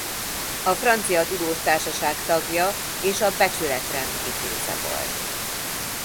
A francia tudós-társaság tagja és a becsületrend vitéze volt.